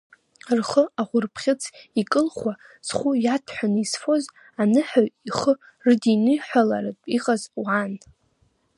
Рхы ахәырбӷьыц икылхуа, зхәы иаҭәҳәаны изфоз, аныҳәаҩ ихы рыдиныҳәалартә иҟаз уаан.